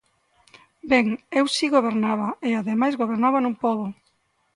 Ben, eu si gobernaba, e ademais gobernaba nun pobo.